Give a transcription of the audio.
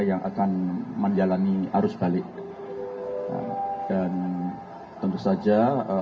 yang akan menjalani arus balik dan tentu saja